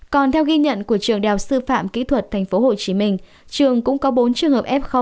còn theo ghi nhận của trường đại học sư phạm kỹ thuật tp hcm trường cũng có bốn trường hợp f một